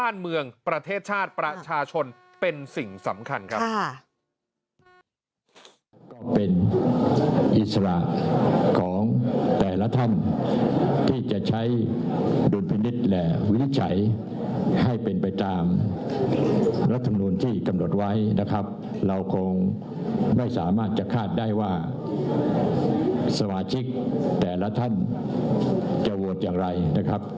เรื่องประเทศชาติประชาชนเป็นสิ่งสำคัญครับ